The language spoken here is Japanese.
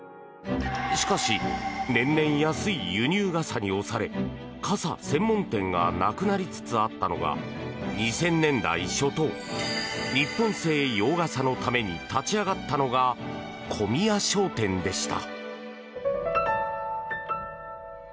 しかし、年々安い輸入傘に押され傘専門店がなくなりつつあったのが２０００年代初頭日本製洋傘のために立ち上がったのが小宮商店でした。